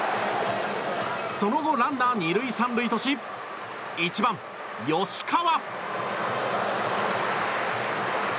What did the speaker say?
その後、ランナー３塁２塁とし１番、吉川。